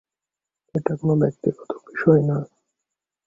এটা কোন ব্যক্তিগত বিষয় না।